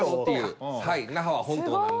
那覇は本島なんで。